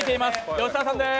吉澤さんです。